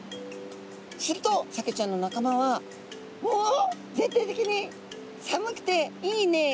するとサケちゃんの仲間は「おお！全体的に寒くていいね。